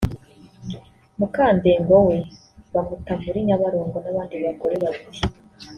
Mukandengo we bamuta muri Nyabarongo n’abandi bagore babiri